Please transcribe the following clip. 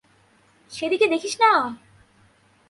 সেদিকে দেখিস না!